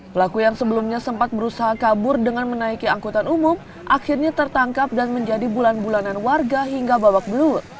pelaku yang sebelumnya sempat berusaha kabur dengan menaiki angkutan umum akhirnya tertangkap dan menjadi bulan bulanan warga hingga babak belut